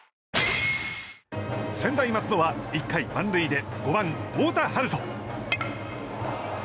専大松戸は１回満塁で５番、太田遥斗。